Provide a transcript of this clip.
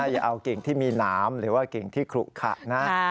อย่าเอากิ่งที่มีหนามหรือว่ากิ่งที่ขลุขะนะ